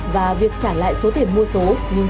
và việc trả lại số tiền mua số nhưng